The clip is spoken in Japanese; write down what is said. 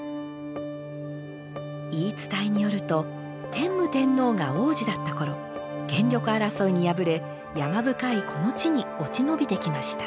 言い伝えによると天武天皇が皇子だった頃権力争いに敗れ山深いこの地に落ち延びてきました。